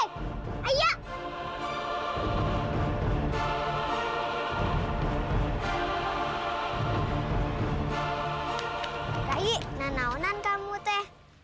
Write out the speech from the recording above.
kak i nanaunan kamu teh